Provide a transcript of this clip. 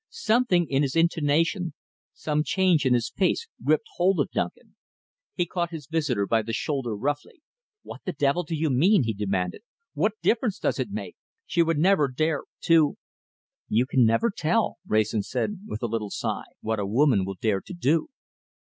Something in his intonation, some change in his face, gripped hold of Duncan. He caught his visitor by the shoulder roughly. "What the devil do you mean?" he demanded, "What difference does it make? She would never dare to " "You can never tell," Wrayson said, with a little sigh, "what a woman will dare to do.